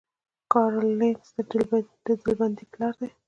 کارل لینس د ډلبندۍ پلار دی